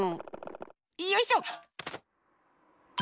よいしょ！